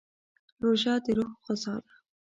روژه د روح غذا ده.